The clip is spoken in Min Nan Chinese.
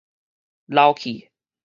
老去